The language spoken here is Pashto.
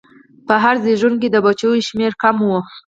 په هر زېږون کې د بچو شمېر کم و.